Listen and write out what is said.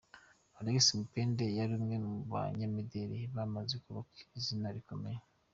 Alexia Mupende yari umwe mu banyamideli bamaze kubaka izina rikomeye .